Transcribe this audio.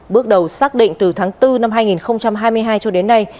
bước đầu xác định từ tháng bốn năm hai nghìn hai mươi hai cho đến nay